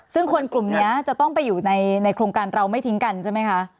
ซึ่งคนกลุ่มนี้จะต้องไปอยู่ในโครงการเราไม่ทิ้งกันใช่ไหมคะ